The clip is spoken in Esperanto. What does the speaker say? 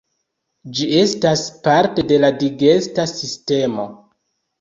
Ĝi estas parte de la digesta sistemo.